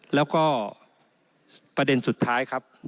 แล้วก็ประเด็นสุดท้ายครับ